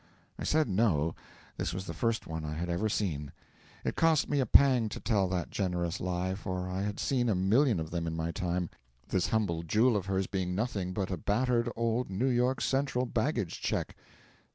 I said no, this was the first one I had ever seen. It cost me a pang to tell that generous lie, for I had seen a million of them in my time, this humble jewel of hers being nothing but a battered old New York Central baggage check.